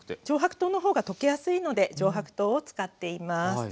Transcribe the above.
上白糖の方が溶けやすいので上白糖を使っています。